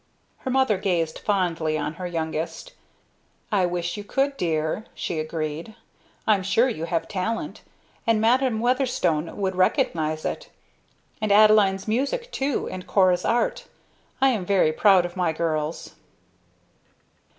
Her mother gazed fondly on her youngest. "I wish you could, dear," she agreed. "I'm sure you have talent; and Madam Weatherstone would recognize it. And Adeline's music too. And Cora's art. I am very proud of my girls."